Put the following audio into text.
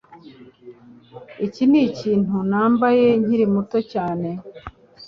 Iki nikintu nambaye nkiri muto cyane.